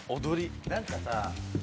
何かさ。